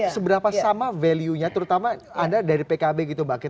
seberapa sama value nya terutama anda dari pkb gitu mbak